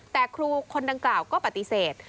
แต่ครูคนดังกล่าวก็ปฏิเสธ